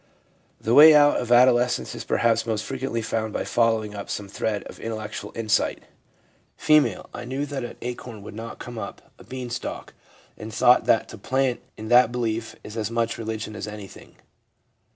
The way out of adolescence is perhaps most fre quently found by following up some thread of intellectual insight. F. ' I knew that an acorn would not come up 286 THE PSYCHOLOGY OF RELIGION a beanstalk, and thought that to plant in that belief is as much religion as anything.